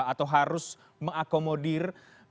atau harus mengakomodir